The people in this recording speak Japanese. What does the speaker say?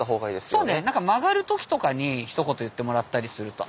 そうね曲がる時とかにひと言言ってもらったりすると。